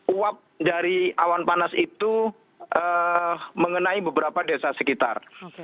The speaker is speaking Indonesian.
uap dari awan panas itu mengenai beberapa desa sekitar